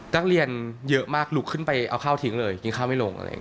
นักเรียนเยอะมากลุกขึ้นไปเอาข้าวทิ้งเลยกินข้าวไม่ลงอะไรอย่างนี้